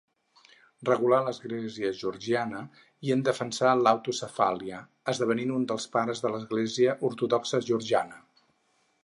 Regulà l'església georgiana i en defensà l'autocefàlia, esdevenint un dels pares de l'Església Ortodoxa Georgiana.